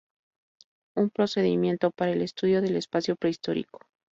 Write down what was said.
Un procedimiento para el estudio del espacio prehistórico.